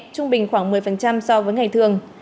trung bình khoảng một mươi so với ngày thường